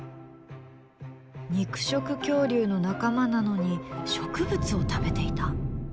肉食恐竜の仲間なのに植物を食べていた？